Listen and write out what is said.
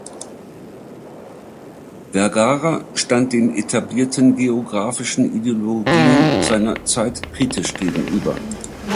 Vergara stand den etablierten geographischen Ideologien seiner Zeit kritisch gegenüber.